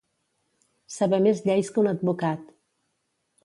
Saber més lleis que un advocat.